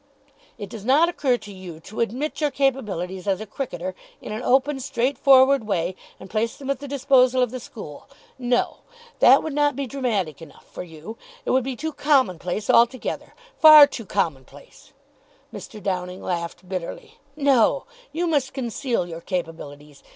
It does not occur to you to admit your capabilities as a cricketer in an open, straightforward way and place them at the disposal of the school. No, that would not be dramatic enough for you. It would be too commonplace altogether. Far too commonplace!" Mr. Downing laughed bitterly. "No, you must conceal your capabilities.